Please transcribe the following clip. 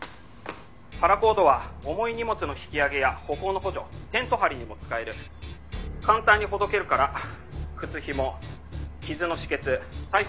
「パラコードは重い荷物の引き上げや歩行の補助テント張りにも使える」「簡単にほどけるから靴ひも傷の止血裁縫糸にもなる」